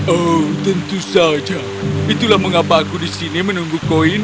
oh tentu saja itulah mengapa aku di sini menunggu koin